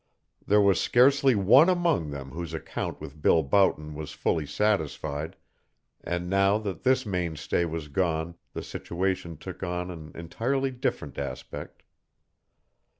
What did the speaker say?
There was scarcely one among them whose account with Bill Boughton was fully satisfied, and now that this mainstay was gone the situation took on an entirely different aspect.